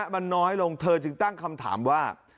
มันน้อยลงเธอจึงตั้งคำถามว่า